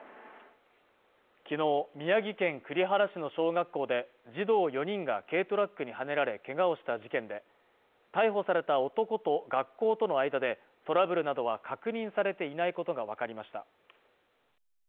昨日、宮城県栗原市の小学校で児童４人が軽トラックにはねられけがをした事件で、逮捕された男と学校との間でトラブルなどは確認されていないことがわかりました。